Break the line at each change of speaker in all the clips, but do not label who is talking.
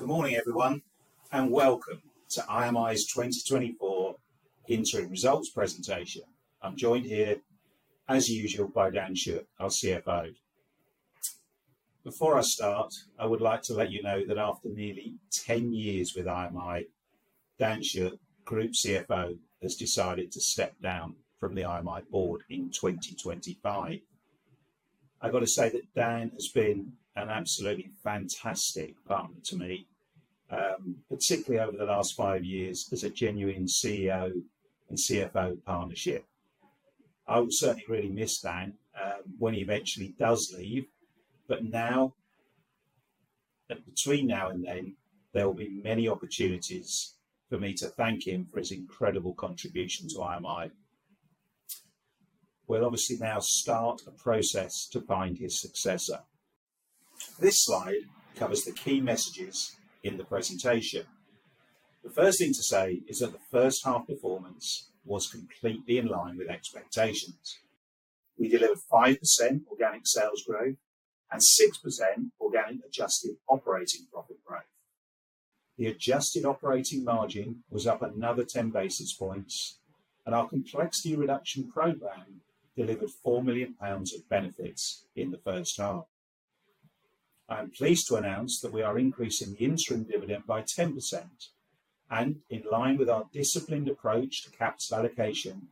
Good morning, everyone, and welcome to IMI's 2024 Interim Results Presentation. I'm joined here, as usual, by Dan Shutt, our CFO. Before I start, I would like to let you know that after nearly 10 years with IMI, Dan Shutt, Group CFO, has decided to step down from the IMI board in 2025. I've got to say that Dan has been an absolutely fantastic partner to me, particularly over the last 5 years as a genuine CEO and CFO partnership. I will certainly really miss Dan, when he eventually does leave, but between now and then, there will be many opportunities for me to thank him for his incredible contribution to IMI. We'll obviously now start a Process to find his successor. This slide covers the key messages in the presentation. The first thing to say is that the first half performance was completely in line with expectations. We delivered 5% organic sales growth and 6% organic adjusted operating profit growth. The adjusted operating margin was up another 10 basis points, and our complexity reduction program delivered 4 million pounds of benefits in the first half. I am pleased to announce that we are increasing the interim dividend by 10%, and in line with our disciplined approach to capital allocation,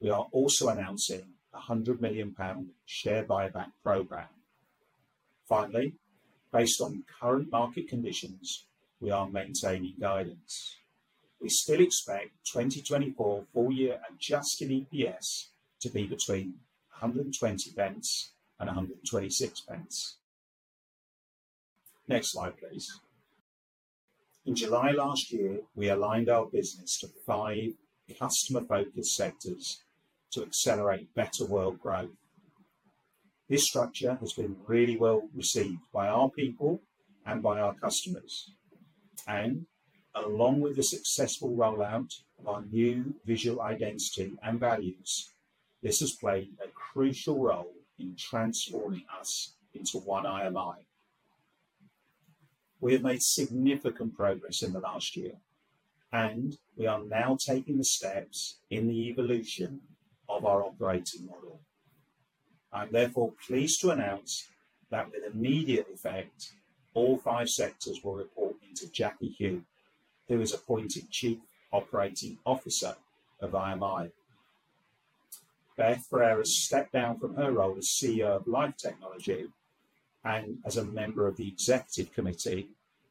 we are also announcing a 100 million pound share buyback program. Finally, based on current market conditions, we are maintaining guidance. We still expect 2024 full-year adjusted EPS to be between 120 pence and 126 pence. Next slide, please. In July last year, we aligned our business to 5 customer-focused sectors to accelerate better world growth. This structure has been really well received by our people and by our customers, and along with the successful rollout of our new visual identity and values, this has played a crucial role in transforming us into one IMI. We have made significant progress in the last year, and we are now taking the steps in the evolution of our operating model. I'm therefore pleased to announce that with immediate effect, all five sectors will report into Jackie Hu, who is appointed Chief Operating Officer of IMI. Beth Ferreira stepped down from her role as CEO of Life Technology and as a member of the executive committee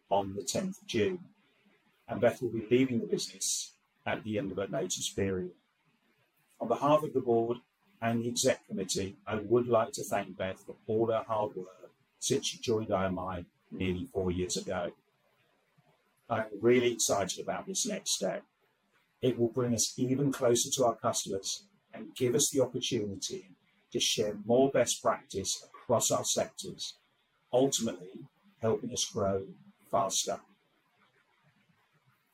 on the tenth of June, and Beth will be leaving the business at the end of her notice period. On behalf of the board and the exec committee, I would like to thank Beth for all her hard work since she joined IMI nearly four years ago. I'm really excited about this next step. It will bring us even closer to our customers and give us the opportunity to share more best practice across our sectors, ultimately helping us grow faster.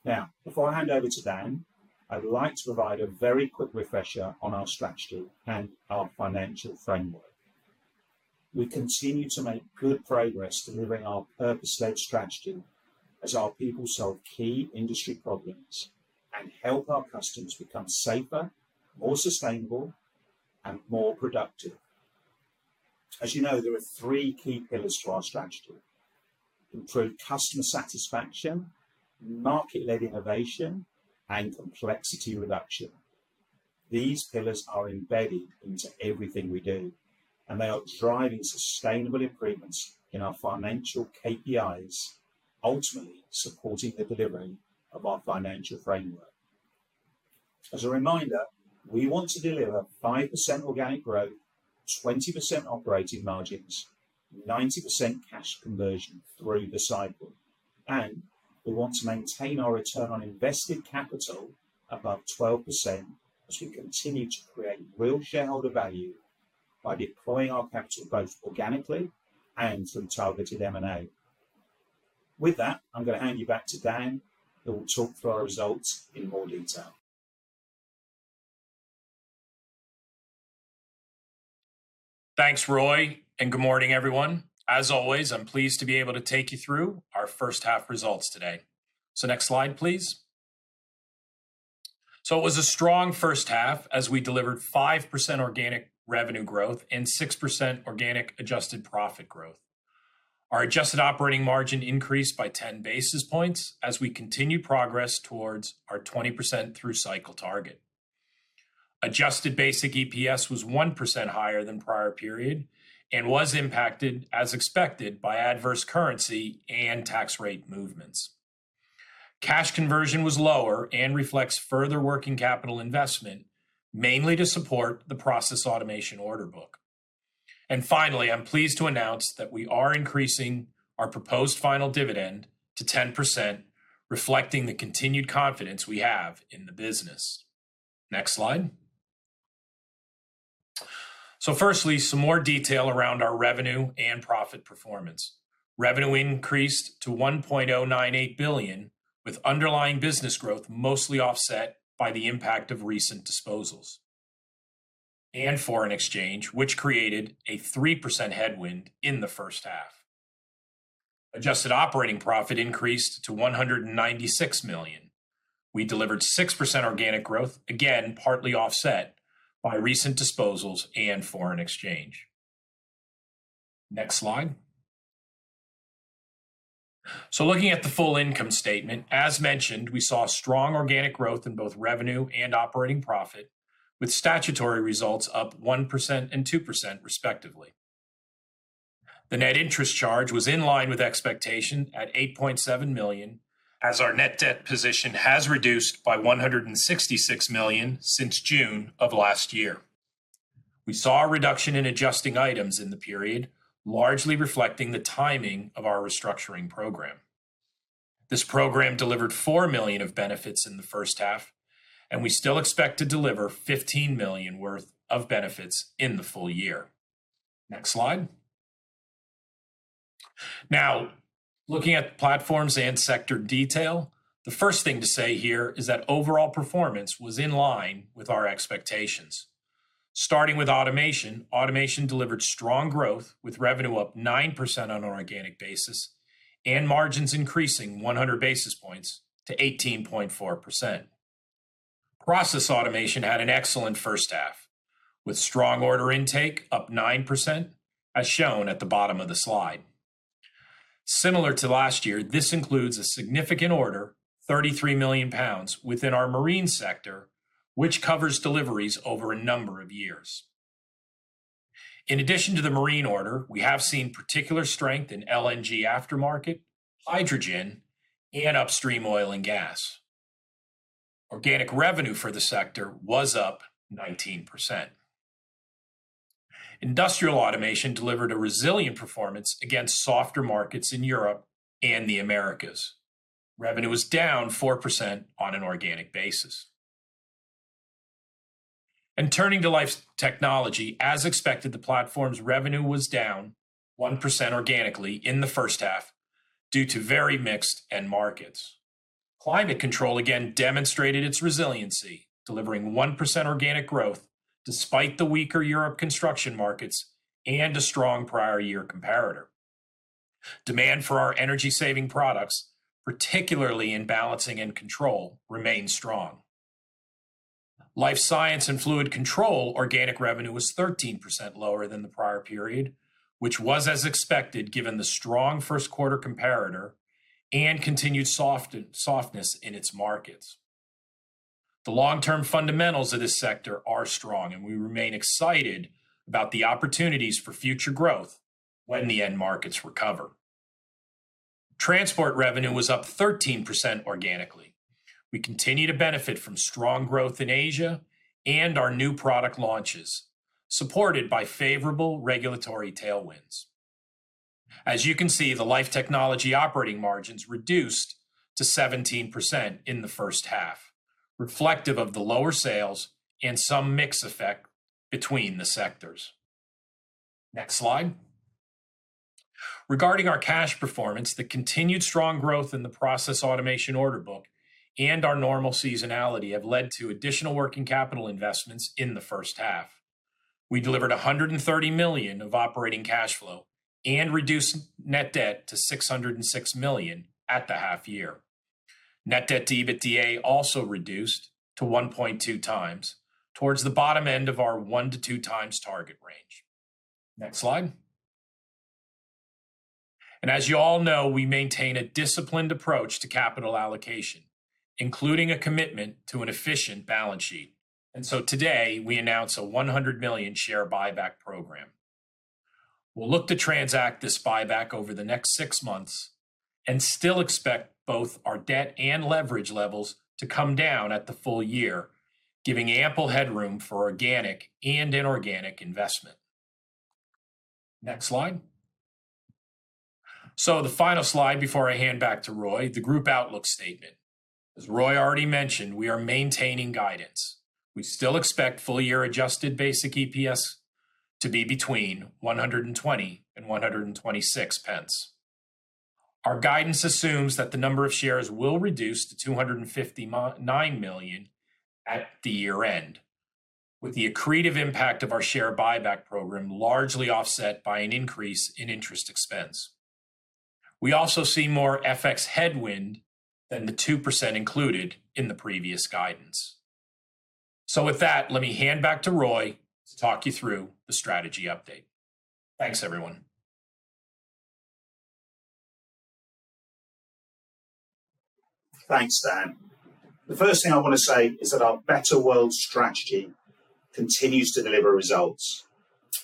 Now, before I hand over to Dan, I'd like to provide a very quick refresher on our strategy and our financial framework. We continue to make good progress delivering our purpose-led strategy as our people solve key industry problems and help our customers become safer, more sustainable, and more productive. As you know, there are three key pillars to our strategy: improved customer satisfaction, market-led innovation, and complexity reduction. These pillars are embedded into everything we do, and they are driving sustainable improvements in our financial KPIs, ultimately supporting the delivery of our financial framework. As a reminder, we want to deliver 5% organic growth, 20% operating margins, 90% cash conversion through the cycle, and we want to maintain our return on invested capital above 12% as we continue to create real shareholder value by deploying our capital both organically and through targeted M&A. With that, I'm gonna hand you back to Dan, who will talk through our results in more detail.
Thanks, Roy, and good morning, everyone. As always, I'm pleased to be able to take you through our first half results today. So next slide, please. So it was a strong first half as we delivered 5% organic revenue growth and 6% organic adjusted profit growth. Our adjusted operating margin increased by 10 basis points as we continue progress towards our 20% through-cycle target. Adjusted basic EPS was 1% higher than prior period and was impacted, as expected, by adverse currency and tax rate movements. Cash conversion was lower and reflects further working capital investment, mainly to support the Process Automation order book. And finally, I'm pleased to announce that we are increasing our proposed final dividend to 10%, reflecting the continued confidence we have in the business. Next slide. So firstly, some more detail around our revenue and profit performance. Revenue increased to 1.098 billion, with underlying business growth mostly offset by the impact of recent disposals... and foreign exchange, which created a 3% headwind in the first half. Adjusted operating profit increased to 196 million. We delivered 6% organic growth, again, partly offset by recent disposals and foreign exchange. Next slide. So looking at the full income statement, as mentioned, we saw strong organic growth in both revenue and operating profit, with statutory results up 1% and 2% respectively. The net interest charge was in line with expectation at 8.7 million, as our net debt position has reduced by 166 million since June of last year. We saw a reduction in adjusting items in the period, largely reflecting the timing of our restructuring program. This program delivered 4 million of benefits in the first half, and we still expect to deliver 15 million worth of benefits in the full-year. Next slide. Now, looking at the platforms and sector detail, the first thing to say here is that overall performance was in line with our expectations. Starting with automation, automation delivered strong growth, with revenue up 9% on an organic basis and margins increasing 100 basis points to 18.4%. Process automation had an excellent first half, with strong order intake up 9%, as shown at the bottom of the slide. Similar to last year, this includes a significant order, 33 million pounds, within our marine sector, which covers deliveries over a number of years. In addition to the marine order, we have seen particular strength in LNG aftermarket, hydrogen, and upstream oil and gas. Organic revenue for the sector was up 19%. Industrial Automation delivered a resilient performance against softer markets in Europe and the Americas. Revenue was down 4% on an organic basis. Turning to Life Science & Fluid Control, as expected, the platform's revenue was down 1% organically in the first half due to very mixed end markets. Climate Control again demonstrated its resiliency, delivering 1% organic growth despite the weaker Europe construction markets and a strong prior year comparator. Demand for our energy-saving products, particularly in balancing and control, remained strong. Life Science & Fluid Control organic revenue was 13% lower than the prior period, which was as expected, given the strong first quarter comparator and continued softness in its markets. The long-term fundamentals of this sector are strong, and we remain excited about the opportunities for future growth when the end markets recover. Transport revenue was up 13% organically. We continue to benefit from strong growth in Asia and our new product launches, supported by favorable regulatory tailwinds. As you can see, the Life Technology operating margins reduced to 17% in the first half, reflective of the lower sales and some mix effect between the sectors. Next slide. Regarding our cash performance, the continued strong growth in the Process Automation order book and our normal seasonality have led to additional working capital investments in the first half. We delivered 130 million of operating cash flow and reduced net debt to 606 million at the half-year. Net debt to EBITDA also reduced to 1.2x, towards the bottom end of our 1-2 times target range. Next slide. As you all know, we maintain a disciplined approach to capital allocation, including a commitment to an efficient balance sheet. So today, we announce a 100 million share buyback program. We'll look to transact this buyback over the next 6 months and still expect both our debt and leverage levels to come down at the full-year, giving ample headroom for organic and inorganic investment. Next slide. So the final slide before I hand back to Roy, the group outlook statement. As Roy already mentioned, we are maintaining guidance. We still expect full-year adjusted basic EPS to be between 120 and 126 pence. Our guidance assumes that the number of shares will reduce to 259 million at the year-end, with the accretive impact of our share buyback program largely offset by an increase in interest expense. We also see more FX headwind than the 2% included in the previous guidance. So with that, let me hand back to Roy to talk you through the strategy update. Thanks, everyone.
Thanks, Dan. The first thing I want to say is that our Better World strategy continues to deliver results.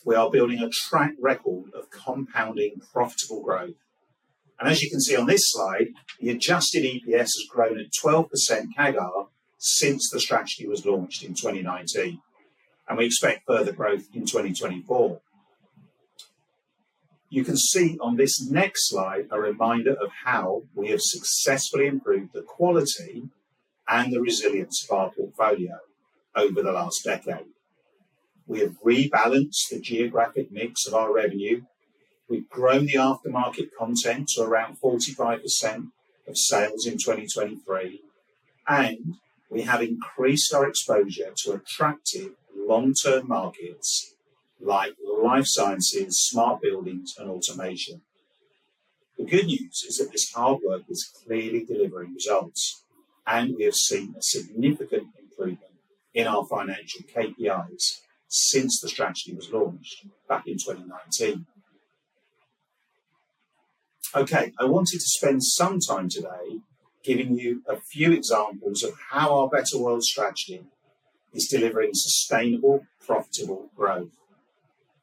We are building a track record of compounding profitable growth. As you can see on this slide, the adjusted EPS has grown at 12% CAGR since the strategy was launched in 2019, and we expect further growth in 2024. You can see on this next slide a reminder of how we have successfully improved the quality and the resilience of our portfolio over the last decade. We have rebalanced the geographic mix of our revenue. We've grown the aftermarket content to around 45% of sales in 2023, and we have increased our exposure to attractive long-term markets like life sciences, smart buildings, and automation. The good news is that this hard work is clearly delivering results, and we have seen a significant improvement in our financial KPIs since the strategy was launched back in 2019. Okay, I wanted to spend some time today giving you a few examples of how our Better World strategy is delivering sustainable, profitable growth.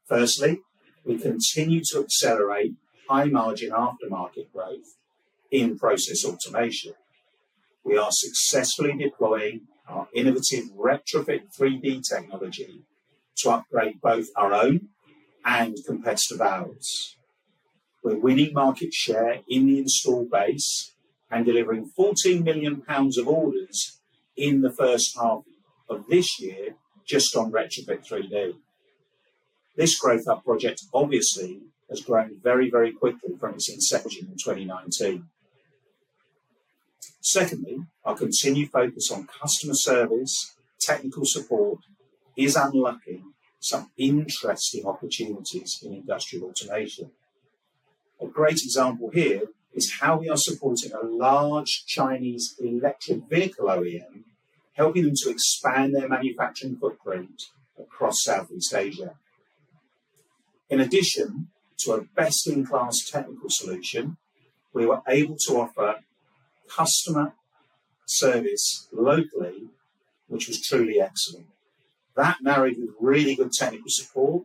Firstly, we continue to accelerate high-margin aftermarket growth in Process Automation. We are successfully deploying our innovative Retrofit3D technology to upgrade both our own and competitive valves. We're winning market share in the installed base and delivering 14 million pounds of orders in the first half of this year just on Retrofit3D. This growth hub project obviously has grown very, very quickly from its inception in 2019. Secondly, our continued focus on customer service, technical support is unlocking some interesting opportunities in Industrial Automation. A great example here is how we are supporting a large Chinese electric vehicle OEM, helping them to expand their manufacturing footprint across Southeast Asia. In addition to a best-in-class technical solution, we were able to offer customer service locally, which was truly excellent. That, married with really good technical support,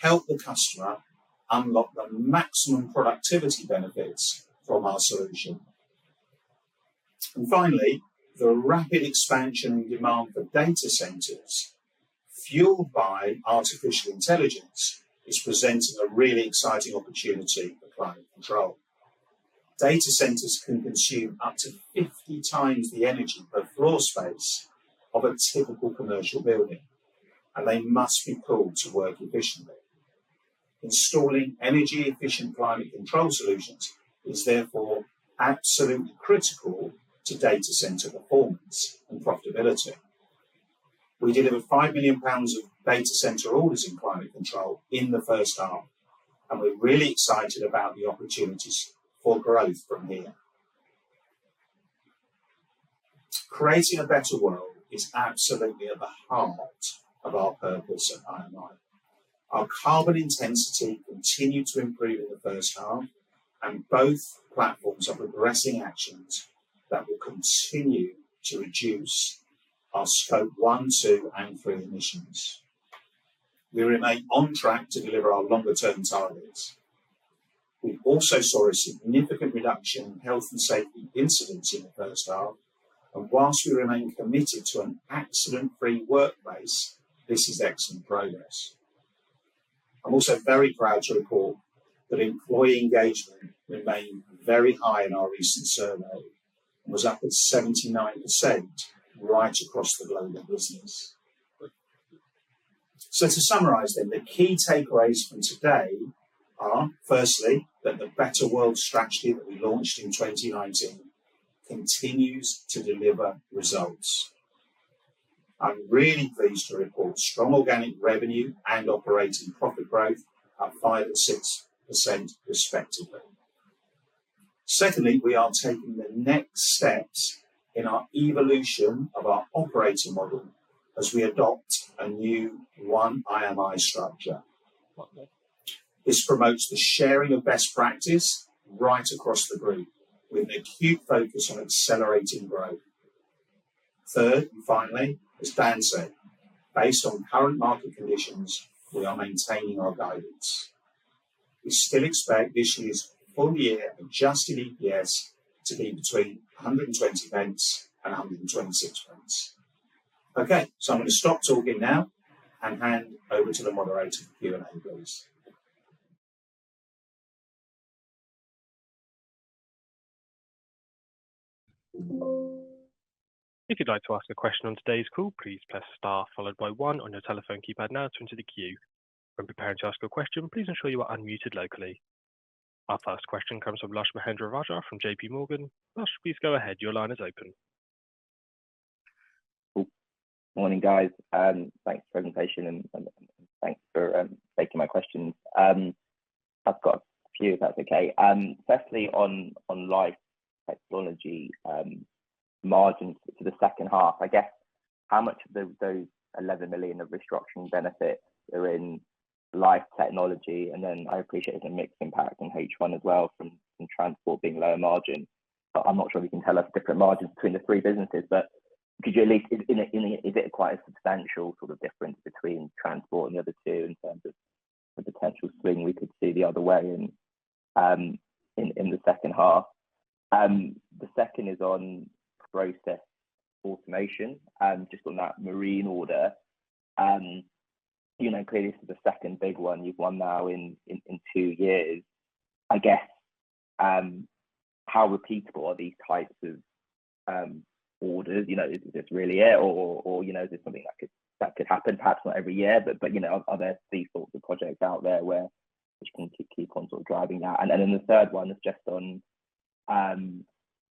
helped the customer unlock the maximum productivity benefits from our solution. Finally, the rapid expansion and demand for data centers, fueled by artificial intelligence, is presenting a really exciting opportunity for Climate Control. Data centers can consume up to 50x the energy per floor space of a typical commercial building, and they must be cooled to work efficiently. Installing energy-efficient Climate Control solutions is therefore absolutely critical to data center performance and profitability. We delivered 5 million pounds of data center orders in Climate Control in the first half, and we're really excited about the opportunities for growth from here. Creating a better world is absolutely at the heart of our purpose at IMI. Our carbon intensity continued to improve in the first half, and both platforms have addressing actions that will continue to reduce our Scope 1, 2, and 3 emissions. We remain on track to deliver our longer-term targets. We also saw a significant reduction in health and safety incidents in the first half, and while we remain committed to an accident-free workplace, this is excellent progress. I'm also very proud to report that employee engagement remained very high in our recent survey and was up at 79% right across the global business. So to summarize then, the key takeaways from today are, firstly, that the Better World strategy that we launched in 2019 continues to deliver results. I'm really pleased to report strong organic revenue and operating profit growth at 5% and 6% respectively. Secondly, we are taking the next steps in our evolution of our operating model as we adopt a new One IMI structure. This promotes the sharing of best practice right across the group, with an acute focus on accelerating growth. Third, and finally, as Dan said, based on current market conditions, we are maintaining our guidance. We still expect this year's full-year adjusted EPS to be between 100 pence and 126 pence. Okay, so I'm going to stop talking now and hand over to the moderator for Q&A, please.
If you'd like to ask a question on today's call, please press star followed by one on your telephone keypad now to enter the queue. When preparing to ask your question, please ensure you are unmuted locally. Our first question comes from Lush Mahendrarajah from JPMorgan. Lush, please go ahead. Your line is open.
Cool. Morning, guys, thanks for the presentation and thanks for taking my questions. I've got a few, if that's okay. Firstly, on Life Technology, margins to the second half, I guess how much of those 11 million of restructuring benefits are in Life Technology? And then I appreciate it's a mixed impact in H1 as well from Transport being lower margin, but I'm not sure if you can tell us the different margins between the three businesses. But could you at least... Is it quite a substantial sort of difference between Transport and the other two in terms of the potential swing we could see the other way in the second half? The second is on Process Automation, just on that marine order. You know, clearly, this is the second big one you've won now in two years. I guess how repeatable are these types of orders? You know, is this really it or, you know, is it something that could happen perhaps not every year, but you know, are there these sorts of projects out there where which can keep on sort of driving that. And then the third one is just on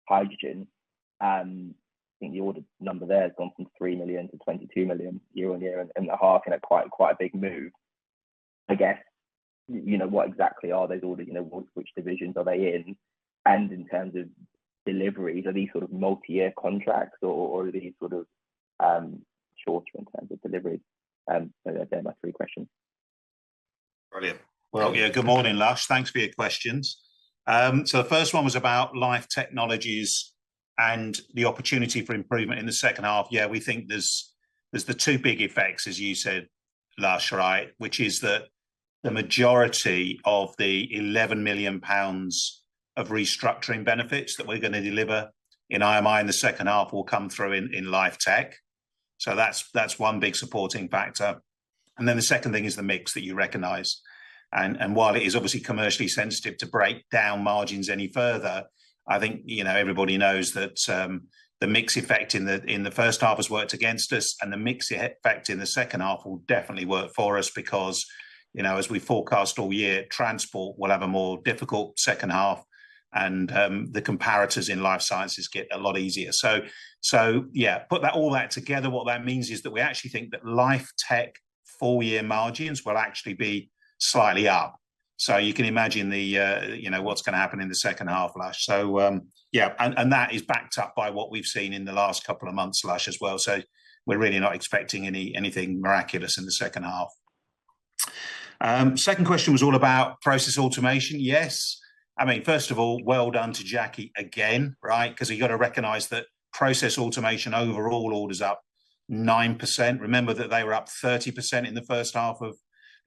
hydrogen. I think the order number there has gone from 3 million to 22 million year on year in the half, and quite a big move. I guess, you know, what exactly are those orders, you know, which divisions are they in? In terms of deliveries, are these sort of multi-year contracts or, or are these sort of, shorter in terms of deliveries? So they're my three questions.
Brilliant. Well, yeah, good morning, Lush. Thanks for your questions. So the first one was about Life Technologies and the opportunity for improvement in the second half. Yeah, we think there's the two big effects, as you said, Lush, right? Which is that the majority of the 11 million pounds of restructuring benefits that we're gonna deliver in IMI in the second half will come through in Life Tech. So that's one big supporting factor. Then the second thing is the mix that you recognize, and while it is obviously commercially sensitive to break down margins any further, I think, you know, everybody knows that the mix effect in the first half has worked against us, and the mix effect in the second half will definitely work for us because, you know, as we forecast all year, transport will have a more difficult second half, and the comparators in life sciences get a lot easier. So, yeah, put that all together, what that means is that we actually think that Life Tech full-year margins will actually be slightly up. So you can imagine the, you know, what's gonna happen in the second half, Lush. That is backed up by what we've seen in the last couple of months, US, as well. So we're really not expecting anything miraculous in the second half. Second question was all about Process Automation. Yes. I mean, first of all, well done to Jackie again, right? 'Cause you got to recognize that Process Automation overall orders up 9%. Remember that they were up 30% in the first half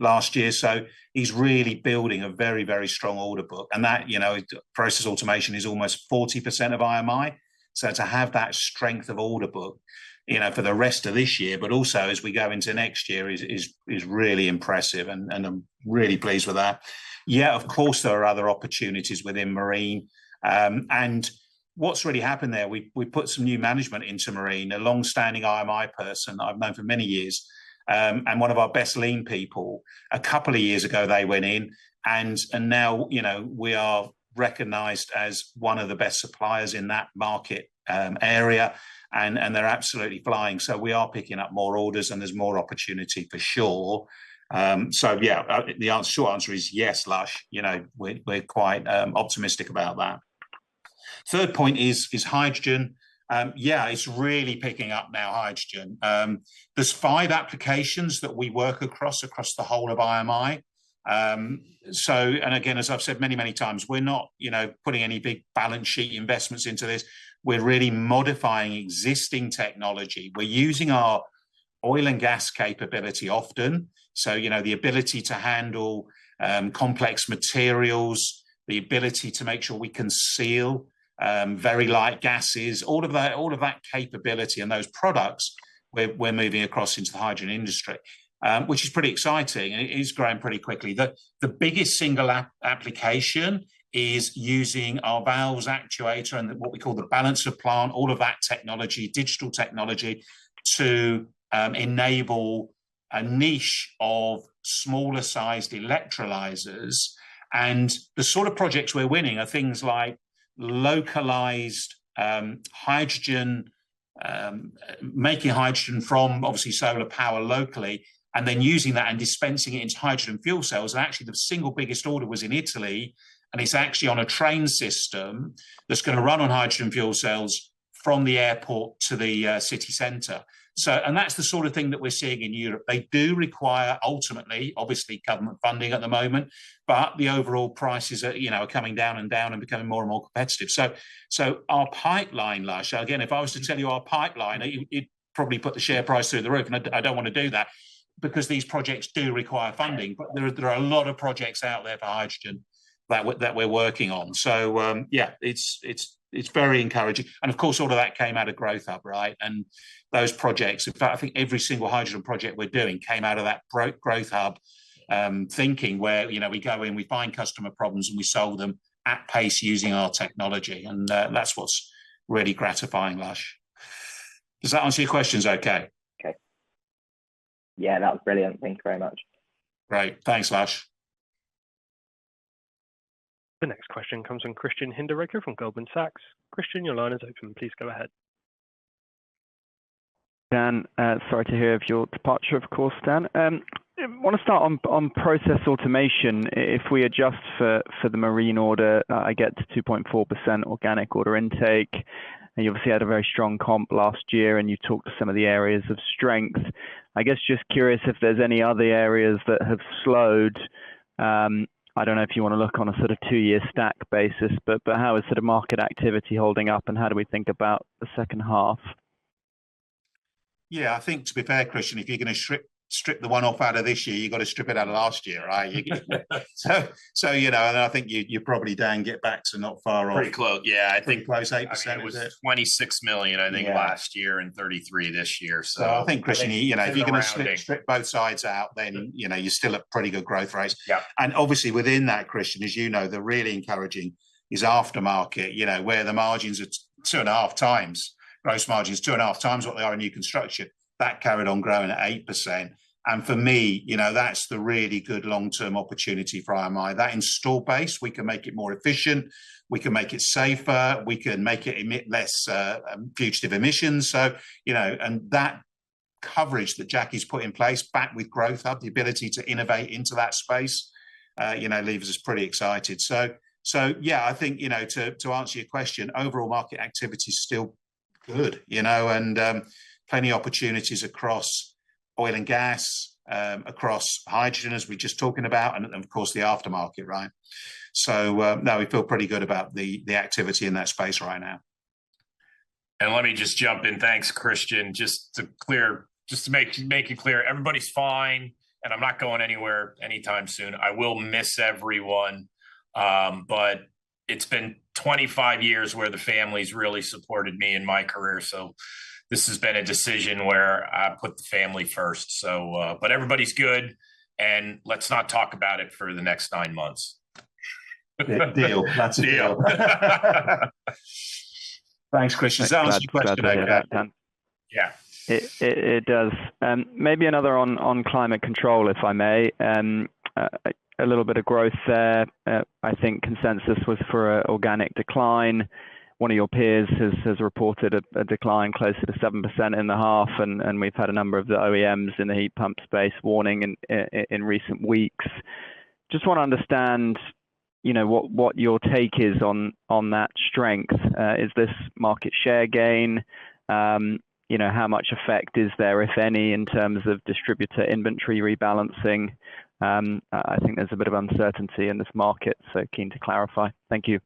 of last year, so he's really building a very, very strong order book. And that, you know, Process Automation is almost 40% of IMI. So to have that strength of order book, you know, for the rest of this year, but also as we go into next year, is really impressive, and I'm really pleased with that. Yeah, of course, there are other opportunities within marine. And what's really happened there, we put some new management into marine, a long-standing IMI person I've known for many years, and one of our best lean people. A couple of years ago, they went in and now, you know, we are recognized as one of the best suppliers in that market area, and they're absolutely flying. So we are picking up more orders, and there's more opportunity, for sure. So yeah, the short answer is yes, Lush, you know, we're quite optimistic about that. Third point is hydrogen. Yeah, it's really picking up now, hydrogen. There's five applications that we work across the whole of IMI. And again, as I've said many times, we're not, you know, putting any big balance sheet investments into this. We're really modifying existing technology. We're using our oil and gas capability often, so, you know, the ability to handle complex materials, the ability to make sure we can seal very light gases. All of that, all of that capability and those products, we're, we're moving across into the hydrogen industry, which is pretty exciting, and it is growing pretty quickly. The biggest single application is using our valves actuator and the, what we call the balance of plant, all of that technology, digital technology, to enable a niche of smaller-sized electrolyzers. And the sort of projects we're winning are things like localized hydrogen, making hydrogen from, obviously, solar power locally, and then using that and dispensing it into hydrogen fuel cells. And actually, the single biggest order was in Italy, and it's actually on a train system that's gonna run on hydrogen fuel cells from the airport to the city center. So, and that's the sort of thing that we're seeing in Europe. They do require, ultimately, obviously, government funding at the moment, but the overall prices are, you know, coming down and down and becoming more and more competitive. So, so our pipeline, Lush, again, if I was to tell you our pipeline, it, it'd probably put the share price through the roof, and I don't, I don't wanna do that because these projects do require funding. But there are, there are a lot of projects out there for hydrogen that we're, that we're working on. So, yeah, it's, it's, it's very encouraging. And of course, all of that came out of Growth Hub, right? Those projects, in fact, I think every single hydrogen project we're doing came out of that Growth Hub thinking where, you know, we go in, we find customer problems, and we solve them at pace using our technology, and that's what's really gratifying, Lush. Does that answer your questions okay?
Okay. Yeah, that was brilliant. Thank you very much.
Great. Thanks, Lush.
The next question comes from Christian Hinderaker of Goldman Sachs. Christian, your line is open. Please go ahead.
Dan, sorry to hear of your departure, of course, Dan. I wanna start on Process Automation. If we adjust for the marine order, I get to 2.4% organic order intake, and you obviously had a very strong comp last year, and you talked to some of the areas of strength. I guess, just curious if there's any other areas that have slowed. I don't know if you wanna look on a sort of two-year stack basis, but how is sort of market activity holding up, and how do we think about the second half?
Yeah, I think to be fair, Christian, if you're gonna strip the one-off out of this year, you gotta strip it out of last year, right? So, you know, and I think you probably, Dan, get back to not far off.
Pretty close, yeah.
I think close, 8% was it?
26 million, I think-
Yeah...
last year and 33 this year. So-
I think, Christian, you know-
Around there...
if you're gonna strip, strip both sides out, then, you know, you're still at pretty good growth rates.
Yeah.
Obviously, within that, Christian, as you know, the really encouraging is aftermarket, you know, where the margins are 2.5x, gross margin is 2.5x what they are in new construction. That carried on growing at 8%, and for me, you know, that's the really good long-term opportunity for IMI. That install base, we can make it more efficient, we can make it safer, we can make it emit less, fugitive emissions. So, you know, coverage that Jackie's put in place, backed with growth, have the ability to innovate into that space, you know, leaves us pretty excited. So yeah, I think, you know, to answer your question, overall market activity's still good, you know, and plenty of opportunities across oil and gas, across hydrogen, as we were just talking about, and, of course, the aftermarket, right? So, no, we feel pretty good about the activity in that space right now.
Let me just jump in. Thanks, Christian. Just to make it clear, everybody's fine, and I'm not going anywhere anytime soon. I will miss everyone, but it's been 25 years where the family's really supported me in my career, so this has been a decision where I put the family first. So, but everybody's good, and let's not talk about it for the next nine months.
Deal. That's a deal. Thanks, Christian. Does that answer your question, though, Dan?
Yeah, glad about that, Dan.
Yeah.
It does. Maybe another on Climate Control, if I may. A little bit of growth there. I think consensus was for an organic decline. One of your peers has reported a decline closer to 7% in the half, and we've had a number of the OEMs in the heat pump space warning in recent weeks. Just want to understand, you know, what your take is on that strength. Is this market share gain? You know, how much effect is there, if any, in terms of distributor inventory rebalancing? I think there's a bit of uncertainty in this market, so keen to clarify. Thank you.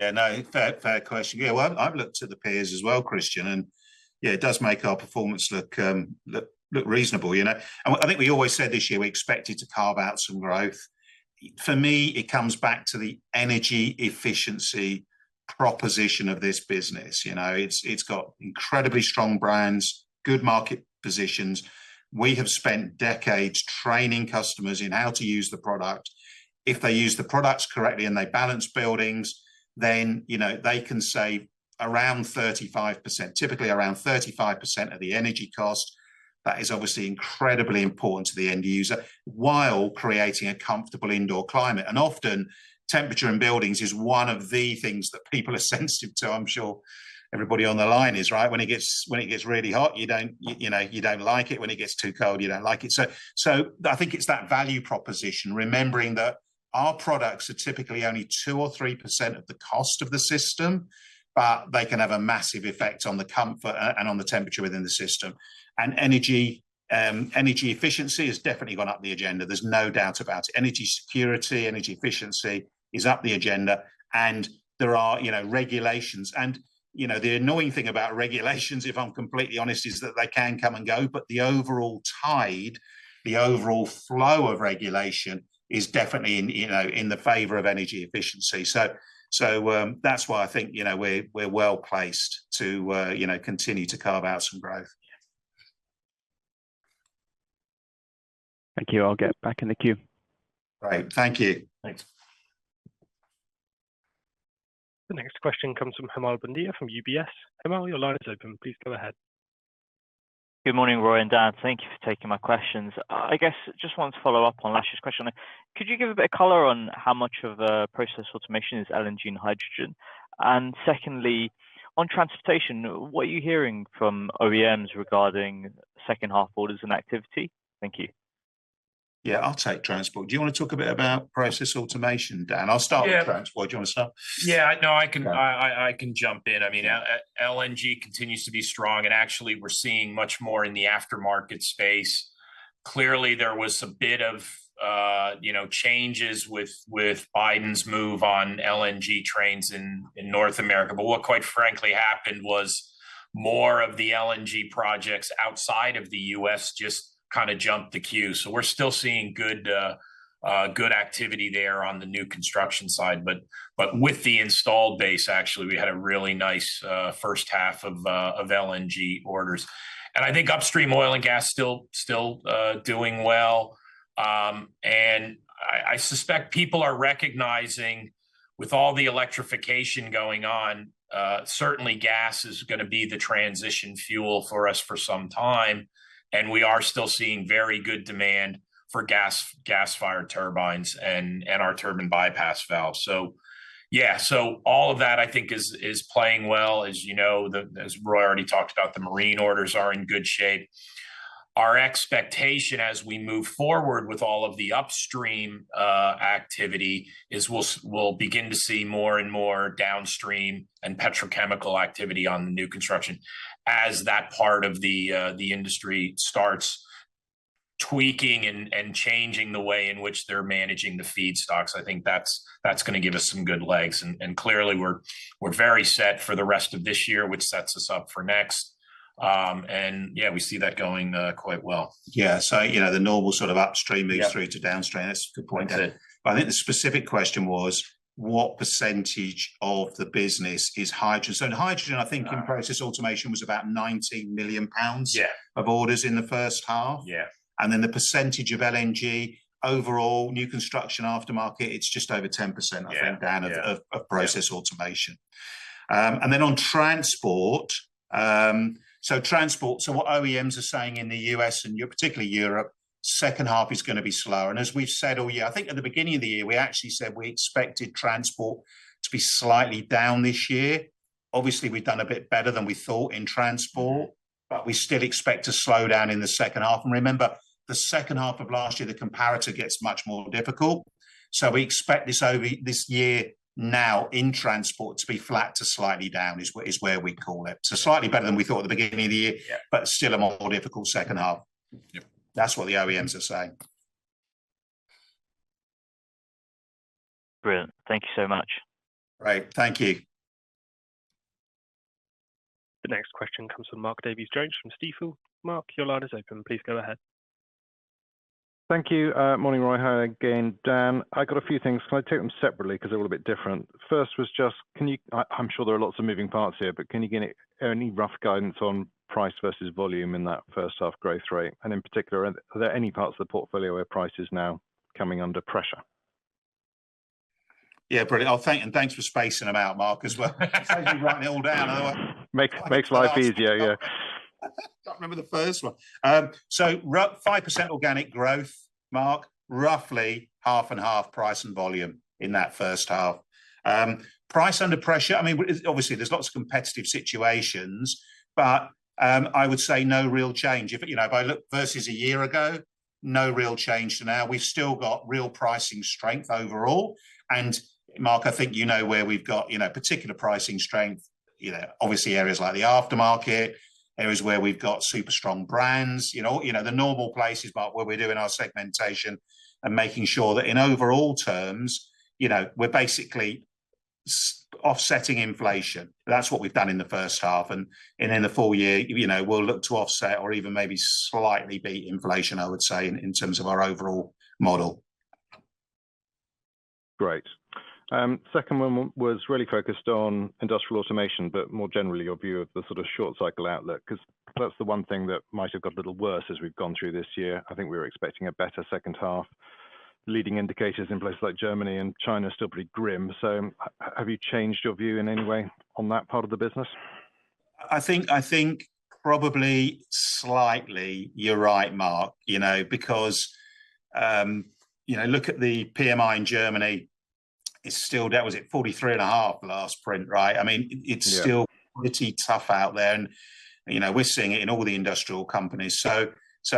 Yeah, no, fair, fair question. Yeah, well, I've looked to the peers as well, Christian, and, yeah, it does make our performance look, look reasonable, you know? And I think we always said this year we expected to carve out some growth. For me, it comes back to the energy efficiency proposition of this business, you know? It's, it's got incredibly strong brands, good market positions. We have spent decades training customers in how to use the product. If they use the products correctly and they balance buildings, then, you know, they can save around 35%, typically around 35% of the energy cost. That is obviously incredibly important to the end user, while creating a comfortable indoor climate, and often temperature in buildings is one of the things that people are sensitive to. I'm sure everybody on the line is, right? When it gets really hot, you don't, you know, you don't like it. When it gets too cold, you don't like it. So I think it's that value proposition, remembering that our products are typically only 2% or 3% of the cost of the system, but they can have a massive effect on the comfort and on the temperature within the system. And energy efficiency has definitely gone up the agenda. There's no doubt about it. Energy security, energy efficiency is up the agenda, and there are, you know, regulations. And, you know, the annoying thing about regulations, if I'm completely honest, is that they can come and go, but the overall tide, the overall flow of regulation is definitely in, you know, in the favor of energy efficiency. So, that's why I think, you know, we're well-placed to, you know, continue to carve out some growth.
Thank you. I'll get back in the queue.
Great. Thank you.
Thanks.
The next question comes from Hemal Bhundia from UBS. Hemal, your line is open. Please go ahead.
Good morning, Roy and Dan. Thank you for taking my questions. I guess just wanted to follow up on last year's question. Could you give a bit of color on how much of Process Automation is LNG and hydrogen? And secondly, on transportation, what are you hearing from OEMs regarding second half orders and activity? Thank you.
Yeah, I'll take transport. Do you wanna talk a bit about Process Automation, Dan?
Yeah.
I'll start with transport. Do you wanna start?
Yeah, no, I can-
Yeah...
I can jump in.
Yeah.
I mean, LNG continues to be strong, and actually we're seeing much more in the aftermarket space. Clearly, there was a bit of, you know, changes with Biden's move on LNG trains in North America, but what quite frankly happened was more of the LNG projects outside of the US just kind of jumped the queue. So we're still seeing good activity there on the new construction side, but with the installed base, actually, we had a really nice first half of LNG orders. And I think upstream oil and gas still doing well. I suspect people are recognizing with all the electrification going on, certainly gas is gonna be the transition fuel for us for some time, and we are still seeing very good demand for gas-fired turbines and our turbine bypass valves. So yeah, so all of that I think is playing well. As you know, as Roy already talked about, the marine orders are in good shape. Our expectation as we move forward with all of the upstream activity is we'll begin to see more and more downstream and petrochemical activity on the new construction as that part of the industry starts tweaking and changing the way in which they're managing the feedstocks. I think that's, that's gonna give us some good legs, and, and clearly, we're, we're very set for the rest of this year, which sets us up for next. And yeah, we see that going quite well.
Yeah, so, you know, the normal sort of upstream-
Yeah...
moves through to downstream. That's a good point.
That's it.
But I think the specific question was, what percentage of the business is hydrogen? So hydrogen, I think-
Yeah...
in Process Automation was about 19 million pounds-
Yeah...
of orders in the first half.
Yeah.
Then the percentage of LNG overall, new construction aftermarket, it's just over 10%.
Yeah...
I think, Dan, of
Yeah...
of Process Automation. And then on transport, so transport, so what OEMs are saying in the U.S. and particularly Europe, second half is gonna be slower. And as we've said all year, I think at the beginning of the year, we actually said we expected transport to be slightly down this year. Obviously, we've done a bit better than we thought in transport, but we still expect to slow down in the second half. And remember, the second half of last year, the comparator gets much more difficult. So we expect this over this year now in transport to be flat to slightly down, is where we call it. So slightly better than we thought at the beginning of the year-
Yeah.
But still a more difficult second half.
Yep.
That's what the OEMs are saying.
Brilliant. Thank you so much.
Great. Thank you.
The next question comes from Mark Davies Jones from Stifel. Mark, your line is open. Please go ahead.
Thank you. Morning, Roy. Hi again, Dan. I got a few things. Can I take them separately, 'cause they're a little bit different? First was just, can you—I, I'm sure there are lots of moving parts here, but can you give any rough guidance on price versus volume in that first half growth rate? And in particular, are there any parts of the portfolio where price is now coming under pressure?
Yeah, brilliant. Oh, thanks, and thanks for spacing them out, Mark, as well. Save me writing it all down, otherwise.
Makes life easier, yeah.
I can't remember the first one. So roughly 5% organic growth, Mark, roughly half and half price and volume in that first half. Price under pressure, I mean, obviously, there's lots of competitive situations, but, I would say no real change. If, you know, if I look versus a year ago, no real change to now. We've still got real pricing strength overall. And Mark, I think you know where we've got, you know, particular pricing strength, you know, obviously areas like the aftermarket, areas where we've got super strong brands, you know, you know the normal places, but where we're doing our segmentation and making sure that in overall terms, you know, we're basically offsetting inflation. That's what we've done in the first half, and in the full-year, you know, we'll look to offset or even maybe slightly beat inflation, I would say, in terms of our overall model.
Great. Second one was really focused on Industrial Automation, but more generally, your view of the sort of short cycle outlook, 'cause that's the one thing that might have got a little worse as we've gone through this year. I think we were expecting a better second half. Leading indicators in places like Germany and China are still pretty grim, so have you changed your view in any way on that part of the business?
I think, I think probably slightly, you're right, Mark, you know, because, you know, look at the PMI in Germany, it's still down. What was it? 43.5 last print, right? I mean, it-
Yeah...
it's still pretty tough out there, and, you know, we're seeing it in all the industrial companies. So,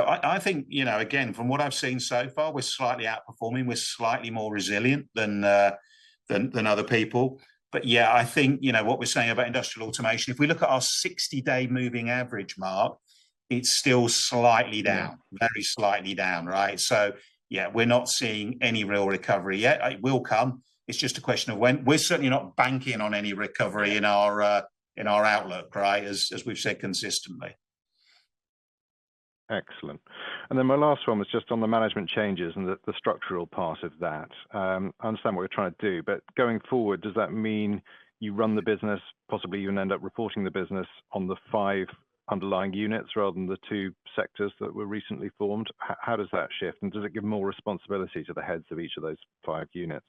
I think, you know, again, from what I've seen so far, we're slightly outperforming, we're slightly more resilient than other people. But yeah, I think, you know, what we're saying about Industrial Automation, if we look at our 60-day moving average, Mark, it's still slightly down-
Yeah...
very slightly down, right? So, yeah, we're not seeing any real recovery yet. It will come. It's just a question of when. We're certainly not banking on any recovery-
Yeah...
in our outlook, right, as we've said consistently.
Excellent. And then my last one was just on the management changes and the structural part of that. I understand what you're trying to do, but going forward, does that mean you run the business, possibly even end up reporting the business on the five underlying units rather than the two sectors that were recently formed? How does that shift, and does it give more responsibility to the heads of each of those five units?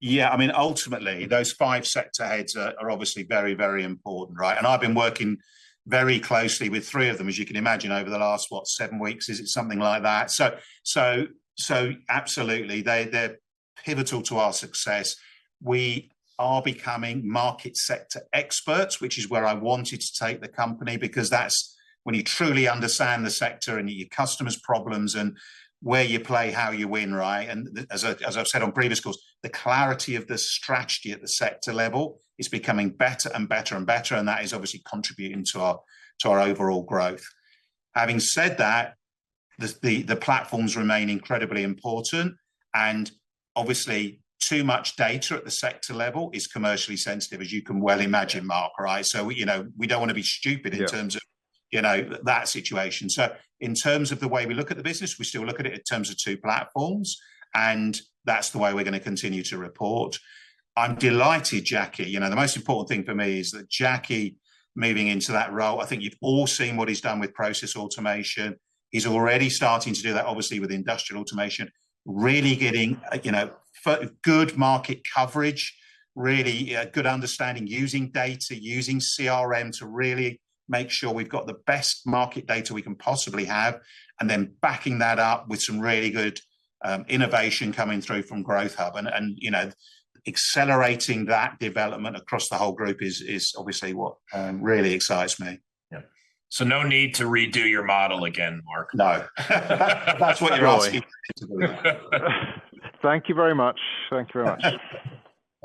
Yeah, I mean, ultimately, those five sector heads are obviously very, very important, right? And I've been working very closely with three of them, as you can imagine, over the last, what, seven weeks, is it something like that? So absolutely, they're pivotal to our success. We are becoming market sector experts, which is where I wanted to take the company, because that's when you truly understand the sector and your customers' problems and where you play, how you win, right? And as I, as I've said on previous calls, the clarity of the strategy at the sector level is becoming better and better and better, and that is obviously contributing to our, to our overall growth. Having said that, the platforms remain incredibly important, and obviously, too much data at the sector level is commercially sensitive, as you can well imagine, Mark, right? You know, we don't want to be stupid-
Yeah...
in terms of, you know, that situation. So in terms of the way we look at the business, we still look at it in terms of two platforms, and that's the way we're going to continue to report. I'm delighted, Jackie... You know, the most important thing for me is that Jackie moving into that role, I think you've all seen what he's done with Process Automation. He's already starting to do that, obviously, with Industrial Automation, really getting, you know, good market coverage, really good understanding, using data, using CRM to really make sure we've got the best market data we can possibly have, and then backing that up with some really good innovation coming through from Growth Hub. And you know, accelerating that development across the whole group is obviously what really excites me.
Yeah. No need to redo your model again, Mark?
No. If that's what you're asking me to do.
Thank you very much. Thank you very much.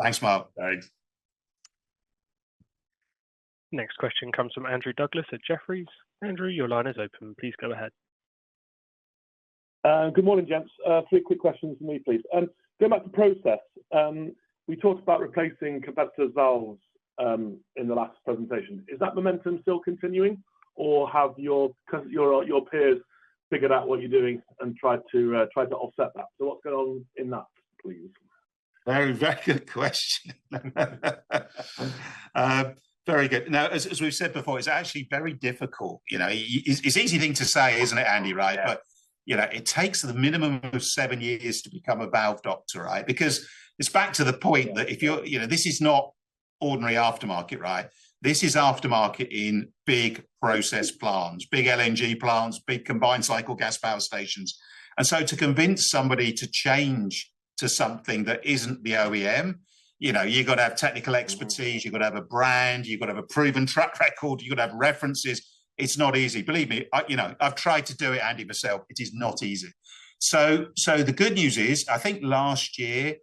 Thanks, Mark.
Thanks.
Next question comes from Andrew Douglas at Jefferies. Andrew, your line is open. Please go ahead.
Good morning, gents. Three quick questions from me, please. Going back to process, we talked about replacing competitor's valves in the last presentation. Is that momentum still continuing, or have your peers figured out what you're doing and tried to offset that? So what's going on in that, please?
Very, very good question. Very good. Now, as we've said before, it's actually very difficult, you know. It's an easy thing to say, isn't it, Andy, right?
Yeah.
But, you know, it takes a minimum of seven years to become a Valve Doctor, right? Because it's back to the point that if you're, you know, this is not ordinary aftermarket, right? This is aftermarket in big process plants, big LNG plants, big combined cycle gas power stations. And so to convince somebody to change to something that isn't the OEM, you know, you've got to have technical expertise, you've got to have a brand, you've got to have a proven track record, you've got to have references. It's not easy, believe me. I, you know, I've tried to do it, Andy, myself. It is not easy. So, the good news is, I think last year,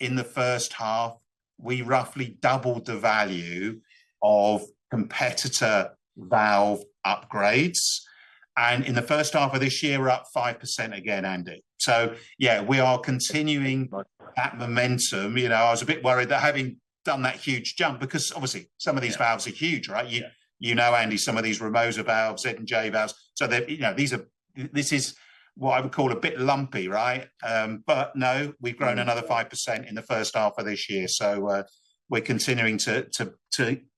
in the first half, we roughly doubled the value of competitor valve upgrades, and in the first half of this year, we're up 5% again, Andy. So yeah, we are continuing that momentum. You know, I was a bit worried that having done that huge jump, because obviously, some of these valves are huge, right?
Yeah.
You know, Andy, some of these Remosa valves, Z&J valves, so they're, you know, these are—this is what I would call a bit lumpy, right? But no, we've grown another 5% in the first half of this year, so we're continuing to...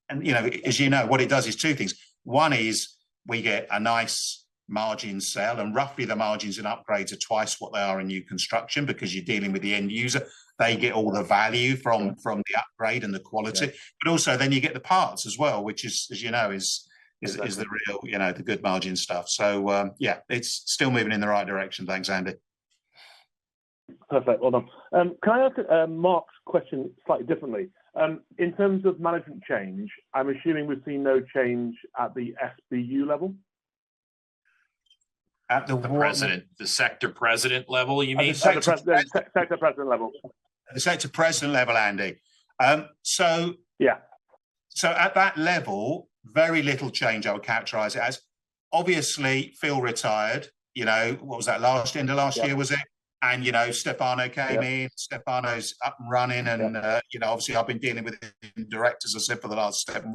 And, you know, as you know, what it does is two things. One is we get a nice margin sale, and roughly, the margins in upgrades are twice what they are in new construction because you're dealing with the end user. They get all the value from-
Yeah...
from the upgrade and the quality.
Yeah.
But also, then you get the parts as well, which is, as you know, is
That's right...
the real, you know, the good margin stuff. So, yeah, it's still moving in the right direction. Thanks, Andy.
Perfect. Well done. Can I ask Mark's question slightly differently? In terms of management change, I'm assuming we've seen no change at the SBU level?
At the what-
The president, the sector president level, you mean?
The Sector President, Sector President level.
The sector president level, Andy. So-
Yeah.
So at that level, very little change, I would characterize it as. Obviously, Phil retired, you know, what was that, last, end of last year-
Yeah...
was it? And you know, Stefano came in.
Yeah.
Stefano's up and running, and, you know, obviously, I've been dealing with his directors, as I said, for the last seven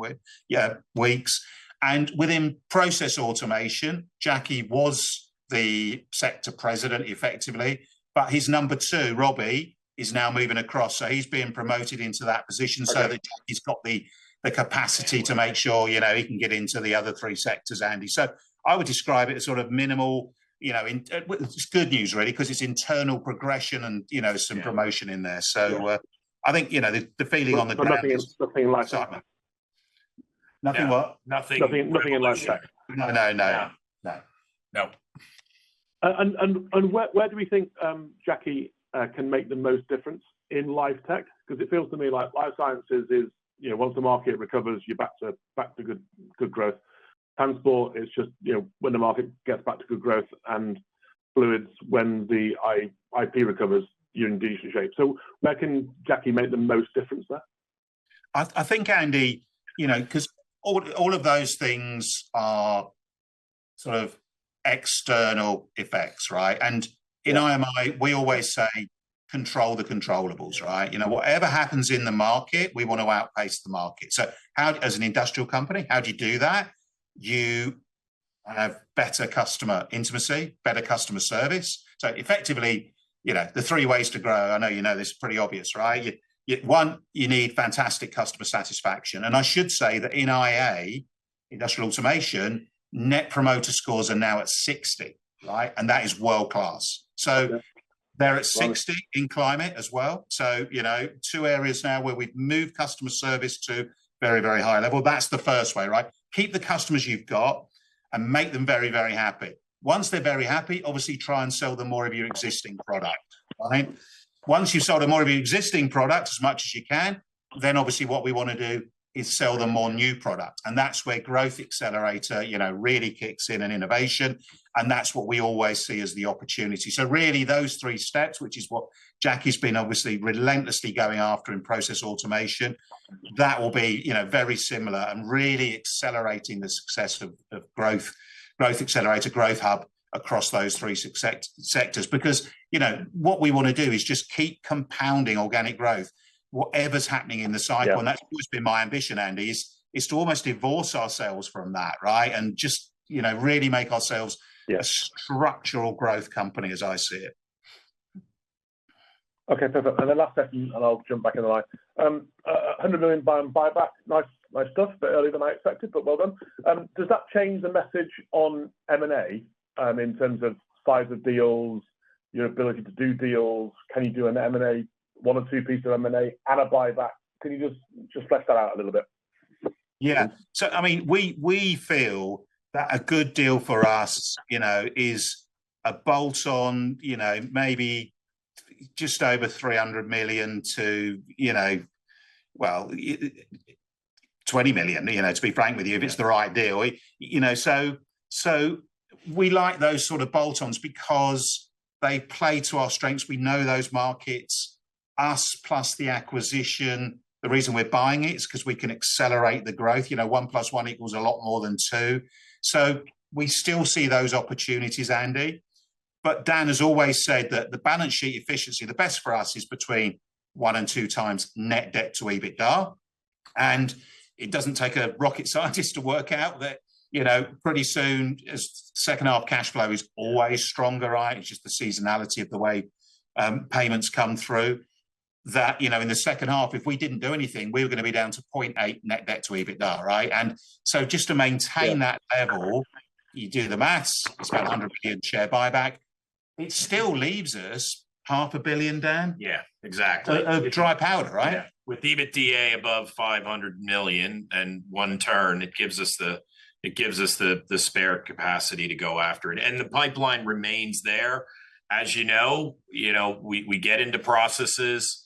weeks. And within Process Automation, Jackie was the sector president, effectively, but his number two, Robbie, is now moving across. So he's being promoted into that position-
Okay...
so that he's got the capacity to make sure, you know, he can get into the other three sectors, Andy. So I would describe it as sort of minimal, you know, in... It's good news, really, because it's internal progression and, you know-
Yeah...
some promotion in there, so-
Yeah...
I think, you know, the feeling on the ground-
But nothing is, nothing in Life Tech?
Nothing what?
Nothing-
Nothing in Life Tech.
No, no, no.
Yeah.
No.
No.
Where do we think Jackie can make the most difference in Life Tech? Because it feels to me like Life Sciences is, you know, once the market recovers, you're back to good growth. Transport is just, you know, when the market gets back to good growth and fluids, when the IP recovers, you're in decent shape. So where can Jackie make the most difference there?
I, I think, Andy, you know, 'cause all, all of those things are sort of external effects, right? And in IMI, we always say, "Control the controllables," right? You know, whatever happens in the market, we want to outpace the market. So how, as an industrial company, how do you do that? You have better customer intimacy, better customer service. So effectively, you know, the three ways to grow, I know you know this, pretty obvious, right? You, you, one, you need fantastic customer satisfaction. And I should say that in IA, Industrial Automation, net promoter scores are now at 60, right? And that is world-class.
Yeah.
So they're at 60-
Wow...
in climate as well. So, you know, two areas now where we've moved customer service to a very, very high level. That's the first way, right? Keep the customers you've got and make them very, very happy. Once they're very happy, obviously, try and sell them more of your existing product, right? Once you've sold them more of your existing products, as much as you can, then obviously what we want to do is sell them more new product, and that's where Growth Accelerator, you know, really kicks in, and innovation, and that's what we always see as the opportunity. So really, those three steps, which is what Jackie's been obviously relentlessly going after in Process Automation, that will be, you know, very similar and really accelerating the success of Growth Accelerator, Growth Hub across those three sectors. Because, you know, what we want to do is just keep compounding organic growth, whatever's happening in the cycle.
Yeah.
And that's always been my ambition, Andy, is to almost divorce ourselves from that, right? And just, you know, really make ourselves-
Yes...
a structural growth company, as I see it.
Okay, perfect. The last question, and I'll jump back in the line. A 100 million buyback, nice, nice stuff, a bit earlier than I expected, but well done. Does that change the message on M&A, in terms of size of deals, your ability to do deals? Can you do an M&A, one or two pieces of M&A and a buyback? Can you just, just flesh that out a little bit?
Yeah. So I mean, we, we feel that a good deal for us, you know, is a bolt-on, you know, maybe just over 300 million to, you know, well, 20 million, you know, to be frank with you-
Yeah...
if it's the right deal. You know, so, so we like those sort of bolt-ons because they play to our strengths. We know those markets, us plus the acquisition, the reason we're buying it is because we can accelerate the growth. You know, one plus one equals a lot more than two. So we still see those opportunities, Andy. But Dan has always said that the balance sheet efficiency, the best for us, is between one and two times net debt to EBITDA, and it doesn't take a rocket scientist to work out that, you know, pretty soon, as second half cash flow is always stronger, right? It's just the seasonality of the way, payments come through, that, you know, in the second half, if we didn't do anything, we were gonna be down to 0.8 net debt to EBITDA, right? And so just to maintain-
Yeah...
that level, you do the math, it's about 100 million share buyback.... It still leaves us 500 million, Dan?
Yeah, exactly.
Of dry powder, right?
Yeah. With EBITDA above 500 million and 1 turn, it gives us the spare capacity to go after it. And the pipeline remains there. As you know, you know, we, we get into processes,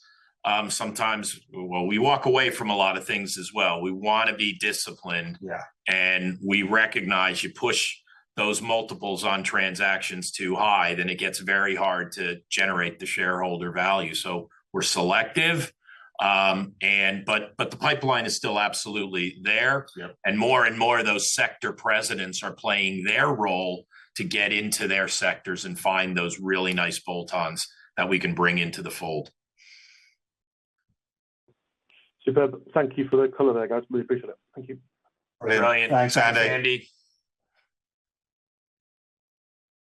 sometimes, well, we walk away from a lot of things as well. We wanna be disciplined-
Yeah.
and we recognize you push those multiples on transactions too high, then it gets very hard to generate the shareholder value. So we're selective, but the pipeline is still absolutely there.
Yep.
More and more of those sector presidents are playing their role to get into their sectors and find those really nice bolt-ons that we can bring into the fold.
Superb. Thank you for that color there, guys. Really appreciate it. Thank you.
Brilliant.
Thanks, Andy.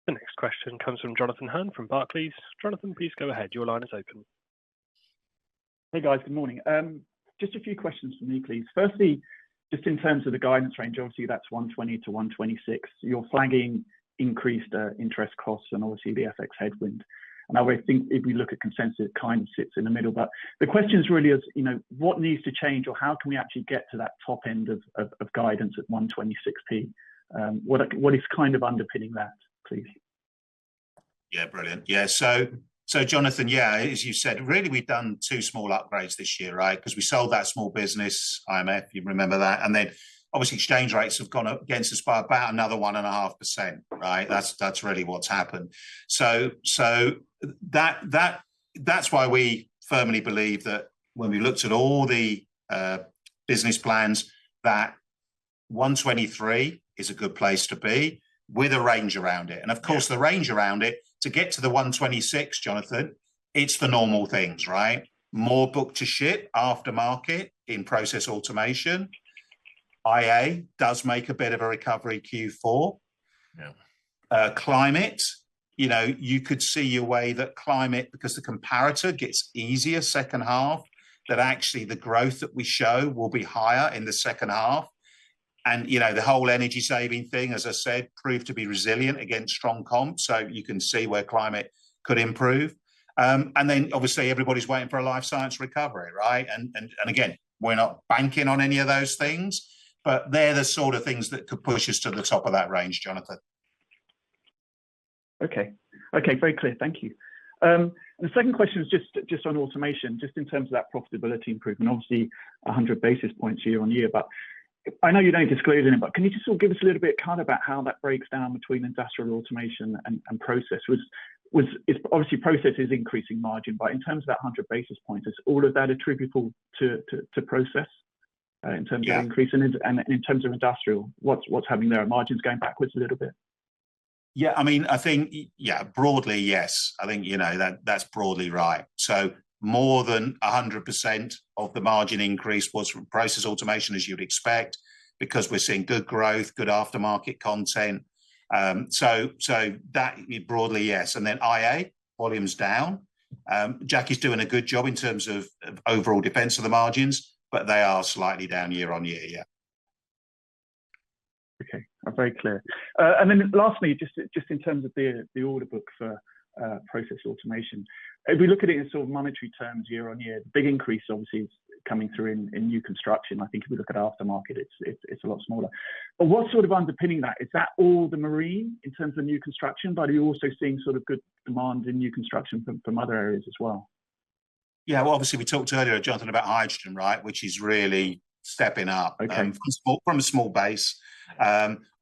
The next question comes from Jonathan Hurn from Barclays. Jonathan, please go ahead. Your line is open.
Hey, guys. Good morning. Just a few questions from me, please. Firstly, just in terms of the guidance range, obviously, that's 120p-126p. You're flagging increased interest costs and obviously the FX headwind. And I would think if we look at consensus, it kind of sits in the middle. But the question is really is, you know, what needs to change, or how can we actually get to that top end of guidance at 126p? What is kind of underpinning that, please?
Yeah, brilliant. Yeah, so, so Jonathan, yeah, as you said, really, we've done two small upgrades this year, right? 'Cause we sold that small business, IMT, you remember that, and then, obviously, exchange rates have gone up against us by about another 1.5%, right? That's really what's happened. So that's why we firmly believe that when we looked at all the business plans, that 123 is a good place to be, with a range around it.
Yeah.
Of course, the range around it, to get to the 126, Jonathan, it's the normal things, right? More book-to-ship, aftermarket in Process Automation. IA does make a bit of a recovery Q4.
Yeah.
Climate, you know, you could see a way that climate, because the comparator gets easier second half, that actually the growth that we show will be higher in the second half. And, you know, the whole energy saving thing, as I said, proved to be resilient against strong comp, so you can see where climate could improve. And then, obviously, everybody's waiting for a life science recovery, right? And again, we're not banking on any of those things, but they're the sort of things that could push us to the top of that range, Jonathan.
Okay. Okay, very clear. Thank you. The second question is just on automation, just in terms of that profitability improvement. Obviously, 100 basis points year-on-year, but I know you don't disclose it anymore, but can you just sort of give us a little bit, kind of about how that breaks down between Industrial Automation and Process? Obviously, process is increasing margin, but in terms of that 100 basis points, is all of that attributable to process, in terms-
Yeah...
of increase in it? And in terms of industrial, what's happening there? Are margins going backwards a little bit?
Yeah, I mean, I think, yeah, broadly, yes. I think, you know, that, that's broadly right. So more than 100% of the margin increase was from Process Automation, as you'd expect, because we're seeing good growth, good aftermarket content. So that, broadly, yes. And then IA, volume's down. Jackie's doing a good job in terms of overall defense of the margins, but they are slightly down year-on-year. Yeah.
Okay. Very clear. And then lastly, just in terms of the order book for Process Automation, if we look at it in sort of monetary terms year on year, the big increase obviously is coming through in new construction. I think if we look at aftermarket, it's a lot smaller. But what's sort of underpinning that? Is that all the marine in terms of new construction, but are you also seeing sort of good demand in new construction from other areas as well?
Yeah, well, obviously, we talked earlier, Jonathan, about hydrogen, right? Which is really stepping up-
Okay...
from a small base.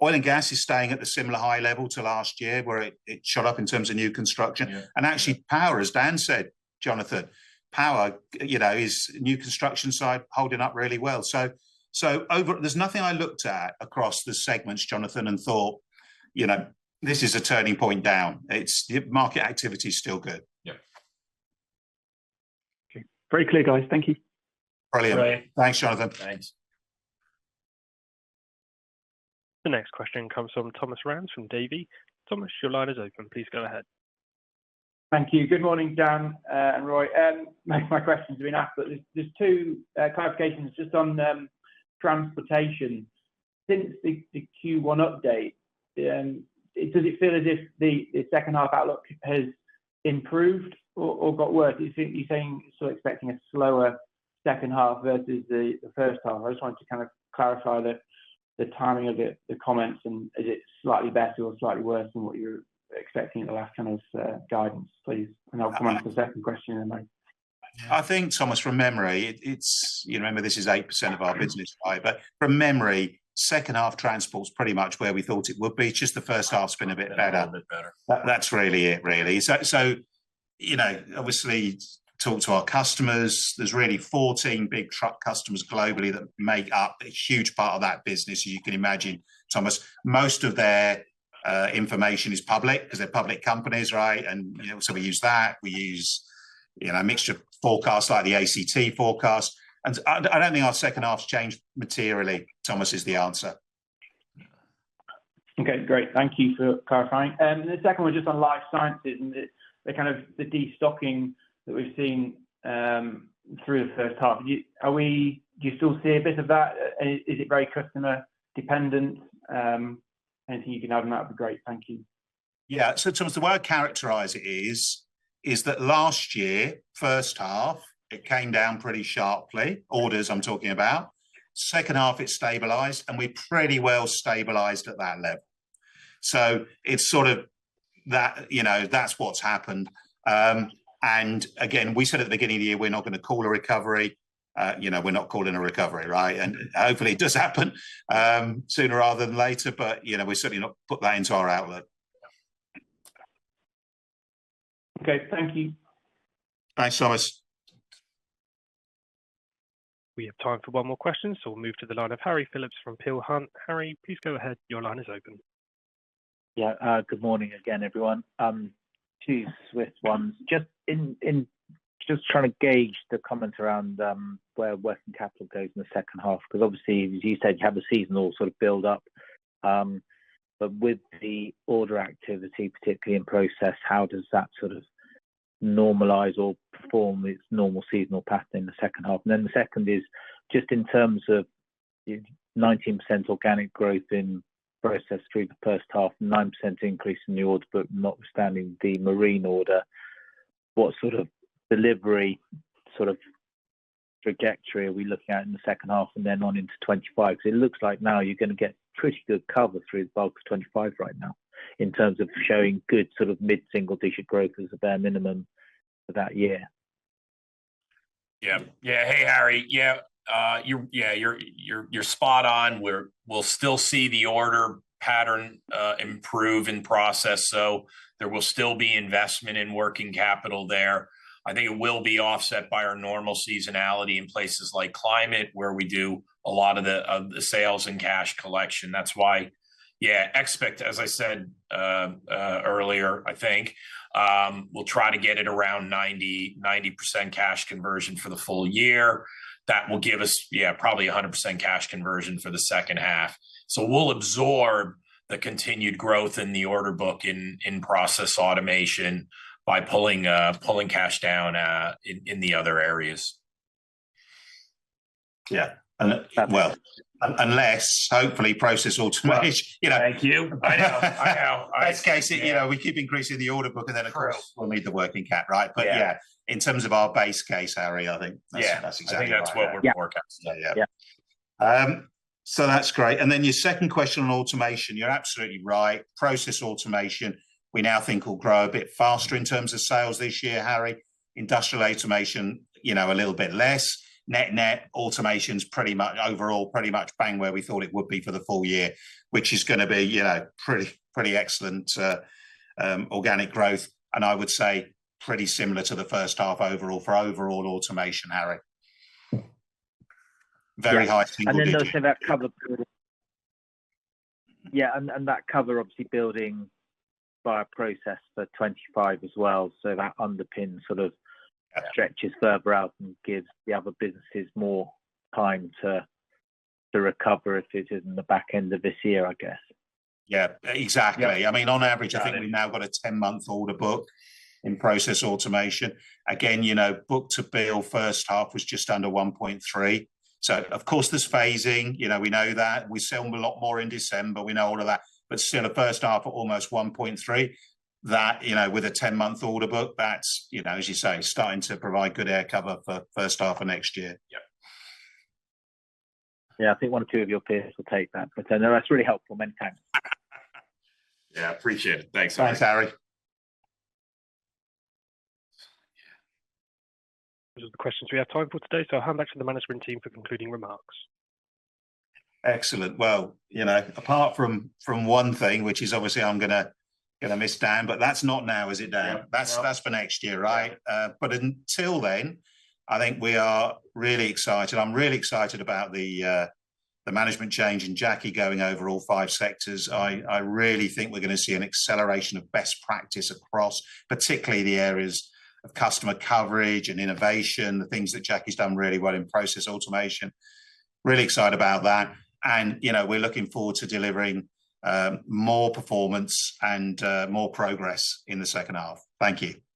Oil and gas is staying at a similar high level to last year, where it shot up in terms of new construction.
Yeah.
And actually, power, as Dan said, Jonathan, power, you know, is new construction side holding up really well. So overall, there's nothing I looked at across the segments, Jonathan, and thought, you know, this is a turning point down. It's, the market activity is still good.
Yep.
Okay. Very clear, guys. Thank you.
Brilliant.
Great.
Thanks, Jonathan.
Thanks.
The next question comes from Thomas Rands from Davy. Thomas, your line is open. Please go ahead.
Thank you. Good morning, Dan, and Roy. Most of my questions have been asked, but there, there's two clarifications just on transportation. Since the Q1 update, does it feel as if the second half outlook has improved or got worse? You're saying, so expecting a slower second half versus the first half. I just wanted to kind of clarify the timing of the comments, and is it slightly better or slightly worse than what you were expecting at the last kind of guidance, please? And I'll come on to the second question then, mate.
I think, Thomas, from memory, it's... You remember this is 8% of our business, right? But from memory, second half transport is pretty much where we thought it would be. Just the first half's been a bit better.
A little bit better.
That's really it, really. So, you know, obviously, talk to our customers. There's really 14 big truck customers globally that make up a huge part of that business. You can imagine, Thomas, most of their information is public, because they're public companies, right? And, you know, so we use that. We use, you know, a mixture of forecasts, like the ACT forecast. And I don't think our second half's changed materially, Thomas, is the answer.
Okay, great. Thank you for clarifying. The second one is just on life sciences, and the kind of the destocking that we've seen through the first half. Are we, do you still see a bit of that? Is it very customer dependent? Anything you can add on that would be great. Thank you.
Yeah, so in terms of the way I'd characterize it is, is that last year, first half, it came down pretty sharply, orders I'm talking about. Second half, it stabilized, and we pretty well stabilized at that level. So it's sort of that, you know, that's what's happened. And again, we said at the beginning of the year, we're not gonna call a recovery. You know, we're not calling a recovery, right? And hopefully it does happen, sooner rather than later, but, you know, we certainly not put that into our outlook.
Okay. Thank you.
Thanks, Thomas.
We have time for one more question, so we'll move to the line of Harry Philips from Peel Hunt. Harry, please go ahead. Your line is open.
Yeah. Good morning again, everyone. Two swift ones. Just trying to gauge the comments around where working capital goes in the second half, 'cause obviously, as you said, you have a seasonal sort of build-up. But with the order activity, particularly in process, how does that sort of normalize or perform its normal seasonal pattern in the second half? And then the second is, just in terms of 19% organic growth in process through the first half, 9% increase in the order book, notwithstanding the marine order, what sort of delivery, sort of trajectory are we looking at in the second half and then on into 2025? Because it looks like now you're gonna get pretty good cover through the bulk of 2025 right now, in terms of showing good sort of mid-single-digit growth as a bare minimum for that year.
Yeah. Yeah. Hey, Harry. Yeah, you're spot on. We'll still see the order pattern improve in process, so there will still be investment in working capital there. I think it will be offset by our normal seasonality in places like climate, where we do a lot of the sales and cash collection. That's why, yeah, expect, as I said earlier, I think, we'll try to get it around 90, 90% cash conversion for the full-year. That will give us, yeah, probably 100% cash conversion for the second half. So we'll absorb the continued growth in the order book in Process Automation by pulling cash down in the other areas.
Yeah. Well, unless hopefully Process Automation, you know-
Thank you. I know, I know.
Base case, you know, we keep increasing the order book, and then of course-
Of course...
we'll need the working cap, right?
Yeah.
But yeah, in terms of our base case, Harry, I think-
Yeah...
that's exactly right.
I think that's what we're forecasting.
Yeah.
Yeah.
So that's great. And then your second question on automation, you're absolutely right. Process automation, we now think will grow a bit faster in terms of sales this year, Harry. Industrial automation, you know, a little bit less. Net-net, automation's pretty much, overall, pretty much bang where we thought it would be for the full-year, which is gonna be, you know, pretty, pretty excellent, organic growth, and I would say pretty similar to the first half overall for overall automation, Harry. Very high single digit-
And then also that cover building. Yeah, and that cover obviously building via process for 25 as well, so that underpins sort of-
Yeah...
stretches further out and gives the other businesses more time to recover if it is in the back end of this year, I guess.
Yeah, exactly.
Yeah.
I mean, on average-
Got it...
I think we've now got a 10-month order book in Process Automation. Again, you know, book-to-bill first half was just under 1.3. So of course, there's phasing, you know, we know that. We sell a lot more in December, we know all of that, but still in the first half, almost 1.3. That, you know, with a 10-month order book, that's, you know, as you say, starting to provide good air cover for first half of next year.
Yeah.
Yeah, I think one or two of your peers will take that, but then that's really helpful. Many thanks.
Yeah, appreciate it. Thanks, Harry.
Thanks, Harry.
Those are the questions we have time for today, so I'll hand back to the management team for concluding remarks.
Excellent. Well, you know, apart from one thing, which is obviously I'm gonna miss Dan, but that's not now, is it, Dan?
Yeah.
That's, that's for next year, right?
Yeah.
But until then, I think we are really excited. I'm really excited about the management change in Jackie going over all five sectors. I really think we're gonna see an acceleration of best practice across particularly the areas of customer coverage and innovation, the things that Jackie's done really well in Process Automation. Really excited about that, and, you know, we're looking forward to delivering more performance and more progress in the second half. Thank you.